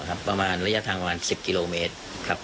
ระยะทางประมาณ๑๐กิโลเมตร